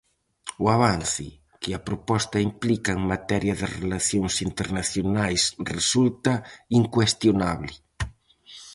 O avance que a proposta implica en materia de relacións internacionais resulta incuestionable.